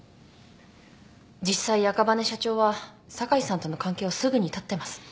実際赤羽社長は酒井さんとの関係をすぐに断ってます。